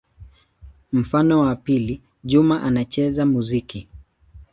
Mfano wa pili: Juma anacheza muziki.